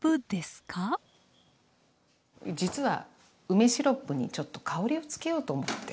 実は梅シロップにちょっと香りをつけようと思って。